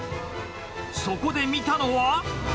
そこで見たのは。